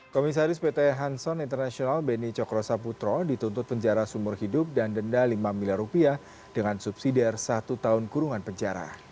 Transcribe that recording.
komisaris pt hanson international beni cokro saputro dituntut penjara sumur hidup dan denda lima miliar rupiah dengan subsidi satu tahun kurungan penjara